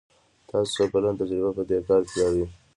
تاسو څو کلن تجربه په دي کار کې لری ؟